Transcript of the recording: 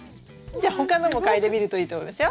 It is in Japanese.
じゃあ他のも嗅いでみるといいと思いますよ。